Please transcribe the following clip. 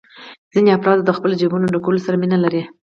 ځینې افراد د خپلو جېبونو ډکولو سره مینه لري